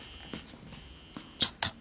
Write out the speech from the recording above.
ちょっと！